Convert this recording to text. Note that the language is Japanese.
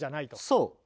そう！